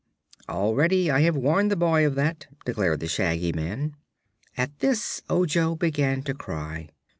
"Already I have warned the boy of that," declared the Shaggy Man. At this Ojo began to cry.